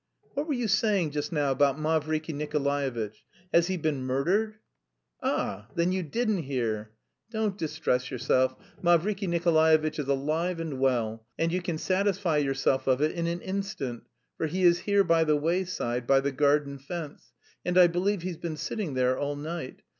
"What were you saying just now about Mavriky Nikolaevitch? Has he been murdered?" "Ah! Then you didn't hear? Don't distress yourself, Mavriky Nikolaevitch is alive and well, and you can satisfy yourself of it in an instant, for he is here by the wayside, by the garden fence... and I believe he's been sitting there all night.